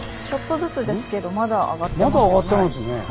ちょっとずつですけどまだ上がってますよね。